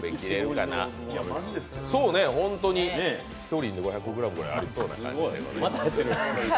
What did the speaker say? １人５００ｇぐらいありそうな感じです。